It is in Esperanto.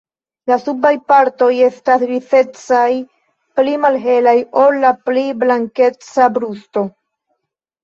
La subaj partoj estas grizecaj, pli malhelaj ol la pli blankeca brusto.